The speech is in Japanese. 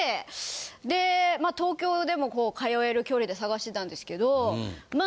で東京でも通える距離で探してたんですけどまあ